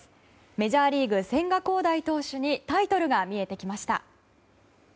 メジャーリーグ、千賀滉大投手にタイトルが見えてきました。